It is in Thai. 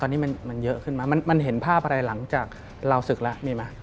ตอนนี้มันเยอะขึ้นมามันเห็นภาพอะไรหลังจากเราศึกแล้วมีไหม